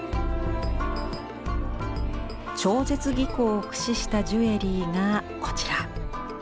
超絶技巧を駆使したジュエリーがこちら。